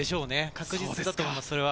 確実だと思います、それは。